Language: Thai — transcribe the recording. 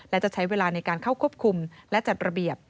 และจะใช้เวลาในการเข้าควบคุมและจัดระเบียบ